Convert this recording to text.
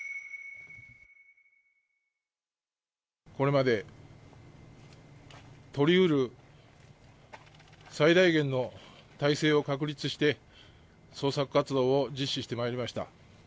これまで取りうる最大限の体制を確立して、捜索活動を実施してまいりました。